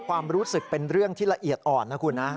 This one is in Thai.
ความรู้สึกเป็นเรื่องที่ละเอียดอ่อนนะคุณนะ